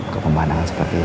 ke pemandangan seperti itu